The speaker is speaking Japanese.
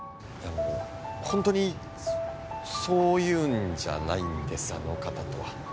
本当にそういうんじゃないんですあの方とは。